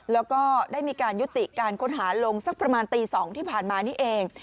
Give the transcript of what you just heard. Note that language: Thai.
แล้วก็ได้มีการยุติการค้นหาลงสักประมาณตี๒ที่ผ่านมานี่เอง